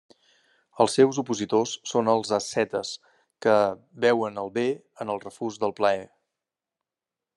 Els seus opositors són els ascetes, que veuen el bé en el refús del plaer.